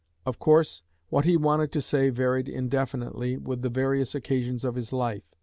Of course, what he wanted to say varied indefinitely with the various occasions of his life.